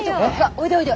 おいでおいで。